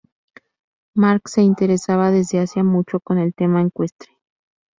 Marc se interesaba desde hacía mucho con el tema ecuestre.